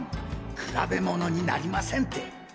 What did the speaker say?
比べものになりませんって！